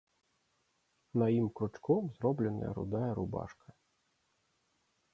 На ім кручком зробленая рудая рубашка.